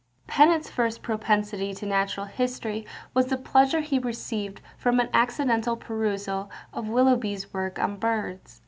Pennant's first propensity to natural history was the pleasure he received from an accidental perusal of Willoughby's work on birds.